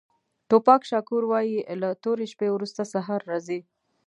ټوپاک شاکور وایي له تورې شپې وروسته سهار راځي.